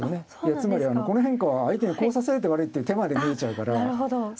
つまりこの変化は相手にこう指されて悪いっていう手まで見えちゃうから。